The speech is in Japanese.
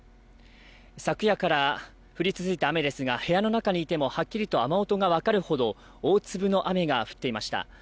昨夜から降り続いた雨ですが、部屋の中にいてもはっきりと雨音が分かるほど大粒の雨が降っていました。